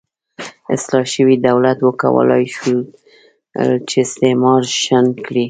اصلاح شوي دولت وکولای شول چې استعمار شنډ کړي.